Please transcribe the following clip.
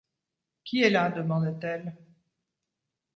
Qui est là ? demanda-t-elle.